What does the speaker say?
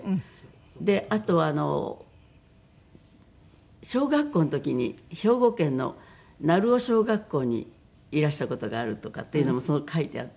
であとは小学校の時に兵庫県の鳴尾小学校にいらした事があるとかっていうのも書いてあって。